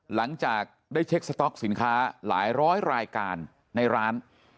หลังจากได้เช็คสต๊อกสินค้าหลายร้อยรายการในร้าน